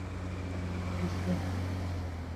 Бисә!..